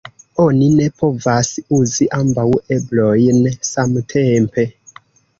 Oni ne povas uzi ambaŭ eblojn samtempe.